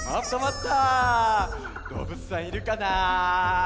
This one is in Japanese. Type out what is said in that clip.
どうぶつさんいるかな？